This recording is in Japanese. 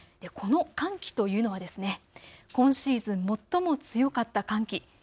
この寒気というのは今シーズン最も強かった寒気。